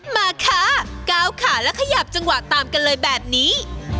มาค่ะก้าวขาแล้วขยับจังหวะตามกันเลยแบบนี้